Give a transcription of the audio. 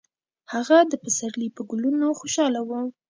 هغه د پسرلي په ګلونو خوشحاله و.